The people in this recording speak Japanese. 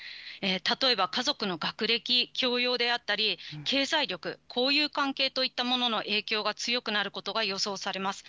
例えば家族の学歴、教養であったり、経済力、交友関係といったものの影響が強くなることが予想されます。